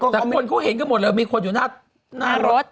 แต่คนเขาเห็นกันหมดเลยมีคนอยู่หน้ารถ